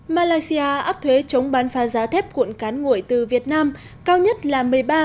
malaysia áp thuế chống bán phá giá thép cuộn cán nguội từ việt nam cao nhất là một mươi ba sáu mươi tám